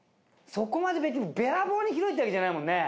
そこまで別にべらぼうに広いってわけじゃないもんね